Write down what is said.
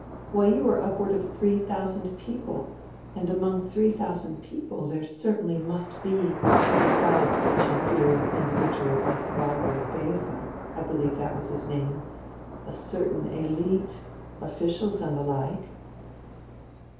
Why, you are upward of three thousand people, and among three thou sand people there certainly must be, beside such inferior individuals as Barber Beza (I believe that was his name), a certain elite, officials and the like."